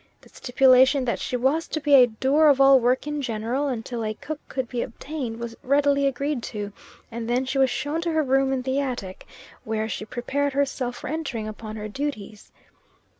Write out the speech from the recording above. The stipulation that she was to be a doer of all work in general, until a cook could be obtained, was readily agreed to, and then she was shown to her room in the attic, where she prepared herself for entering upon her duties.